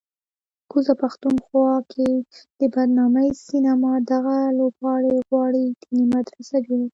کوزه پښتونخوا کې د بدنامې سینما دغه لوبغاړی غواړي دیني مدرسه جوړه کړي